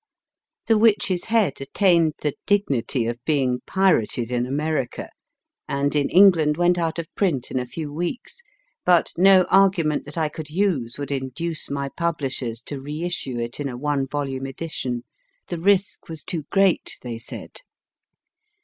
* The Witch s Head attained the dignity of being pirated in America, and in England went out of print in a few weeks, but no argument that I could use would induce my publishers to re issue it in a one volume edition. The risk was too great, they said.